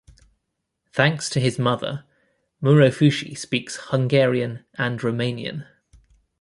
Thanks to his mother, Murofushi speaks Hungarian and Romanian.